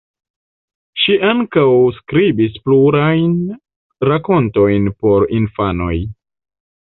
Ŝi ankaŭ skribis plurajn rakontojn por infanoj.